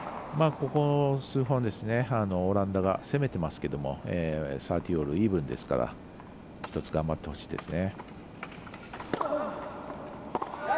ここ、数本はオランダが攻めてますけど３０−３０、イーブンですから１つ、頑張ってほしいですね。